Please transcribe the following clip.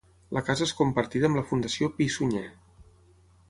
La casa és compartida amb la Fundació Pi i Sunyer.